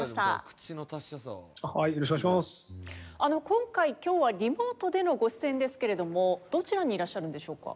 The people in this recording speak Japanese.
今回今日はリモートでのご出演ですけれどもどちらにいらっしゃるんでしょうか？